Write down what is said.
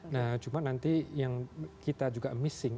nah cuma nanti yang kita juga missing